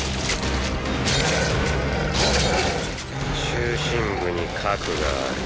中心部に核がある。